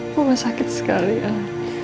mama sakit sekali al